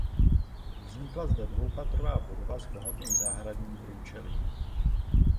Vznikla zde dvoupatrová budova s bohatým zahradním průčelím.